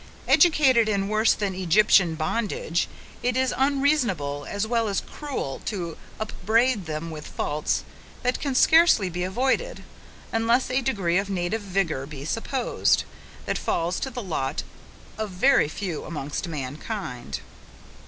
Educated in worse than Egyptian bondage, it is unreasonable, as well as cruel, to upbraid them with faults that can scarcely be avoided, unless a degree of native vigour be supposed, that falls to the lot of very few amongst mankind.